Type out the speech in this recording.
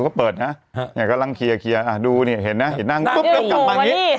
ก็เปิดนะเนี่ยกำลังเคลียร์เคลียร์อ่าดูเนี่ยเห็นนะเห็นนั่งปุ๊บเร็วกลับมานี่